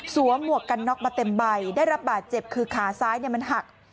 หมวกกันน็อกมาเต็มใบได้รับบาดเจ็บคือขาซ้ายมันหัก